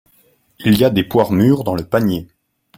Il y a des poires mûres dans le panier.